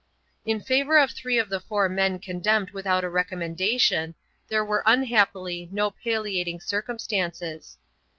In favour of three of the four men condemned without a recommendation, there were unhappily no palliating circumstances.